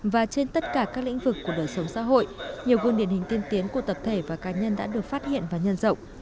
và trên tất cả các lĩnh vực của đời sống xã hội nhiều gương điển hình tiên tiến của tập thể và cá nhân đã được phát hiện và nhân rộng